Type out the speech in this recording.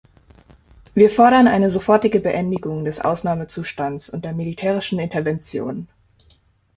Wir fordern eine sofortige Beendigung des Ausnahmezustands und der militärischen Intervention.